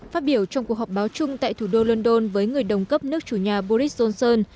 phát biểu trong cuộc họp báo chung tại thủ đô london với người đồng cấp nước chủ nhà boris johnson